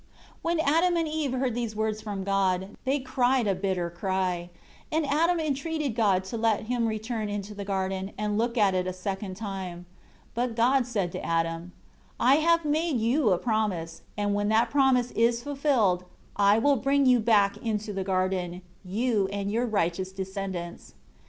7 When Adam and Eve heard these words from God, they cried a bitter cry; and Adam entreated God to let him return into the garden, and look at it a second time. 8 But God said to Adam, "I have made you a promise; when that promise is fulfilled, I will bring you back into the garden, you and your righteous descendants."